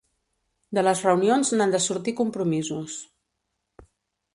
De les reunions n'han de sortir compromisos.